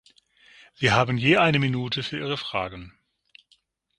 Sie haben je eine Minute für Ihre Fragen.